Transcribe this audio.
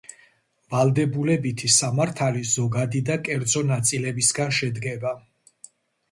ვალდებულებითი სამართალი ზოგადი და კერძო ნაწილებისგან შედგება.